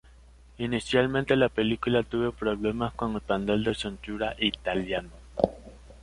Inicialmente, la película tuvo problemas con el panel de censura italiano.